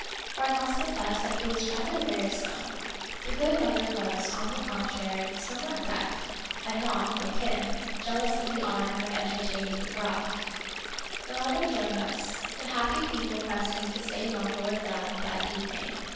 For I must confess that he was rather wearisome. The good mother was, on the contrary, somewhat deaf, and not, like him, jealous of the honor of entertaining the Graf. The mother joined us. The happy people pressed me to stay longer with them that even ing.